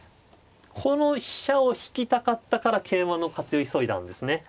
この飛車を引きたかったから桂馬の活用を急いだんですね。